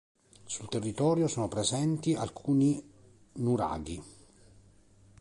Sul territorio sono presenti alcuni nuraghi.